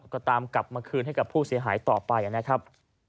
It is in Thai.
ก็ตามกลับมาคืนให้กับผู้เสียหายต่อไปนะครับ